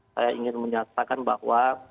saya ingin menyatakan bahwa